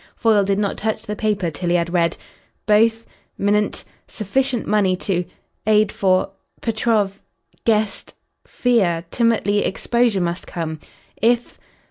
Foyle did not touch the paper till he had read: "... both ... minent ... sufficient money to ... ade for ... Petrov ... guesse ... fear ... timately exposure must come. If